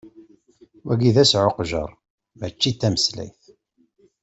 Wayi d asɛujqer, mačči d tameslayt.